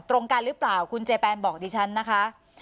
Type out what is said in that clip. ตรงกันหรือเปล่าคุณเจแปนบอกดิฉันนะคะ